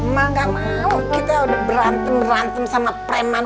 ma nggak mau kita udah berantem berantem sama preman